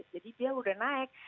jadi dia udah naik